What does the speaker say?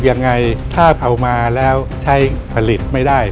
ยังไงถ้าเอามาแล้วใช้ผลิตไม่ได้